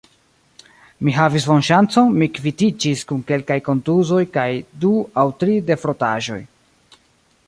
Mi havis bonŝancon, mi kvitiĝis kun kelkaj kontuzoj kaj du aŭ tri defrotaĵoj.